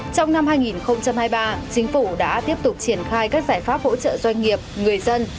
trong năm hai nghìn hai mươi ba chính phủ đã tiếp tục triển khai các giải pháp hỗ trợ doanh nghiệp người dân